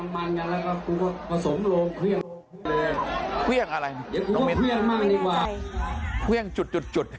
มันมันกันแล้วก็ผสมโลกเครื่องเครื่องอะไรเครื่องจุดจุดจุด